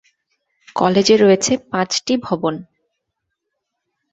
কলেজে রয়েছে পাঁচটি ভবন।